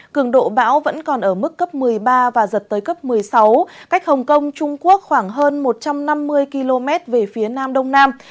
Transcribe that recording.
cường độ bão vẫn còn ở mức cấp một mươi ba và giật tới cấp một mươi sáu cách hồng kông trung quốc khoảng hơn một trăm năm mươi km về phía nam đông nam